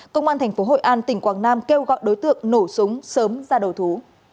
công an thành phố hội an tỉnh quảng nam kêu gọi đối tượng nổ súng sớm ra đồ thú